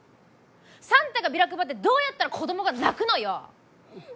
サンタがビラ配ってどうやったら子供が泣くのよ！